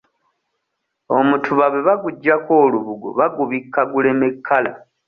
Omutuba bwe baguggyako olubugo bagubikka guleme kkala.